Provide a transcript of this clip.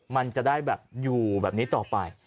มันจะได้แบบอยู่แบบนี้ต่อไป